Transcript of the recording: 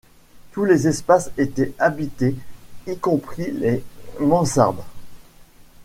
Tous les espaces étaient habités y compris les mansardes.